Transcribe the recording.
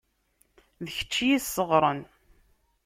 D kečč i y-isseɣren.